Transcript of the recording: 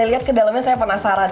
saya lihat ke dalamnya saya penasaran